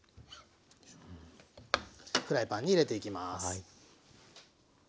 フライパンに入れていきます。